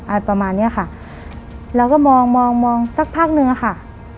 อะไรประมาณเนี้ยค่ะเราก็มองมองมองมองสักพักหนึ่งอะค่ะ